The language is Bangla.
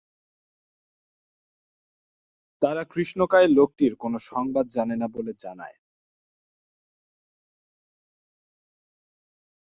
তারা কৃষ্ণকায় লোকটির কোন সংবাদ জানে না বলে জানায়।